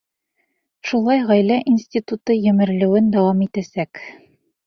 Шулай ғаилә институты емерелеүен дауам итәсәк.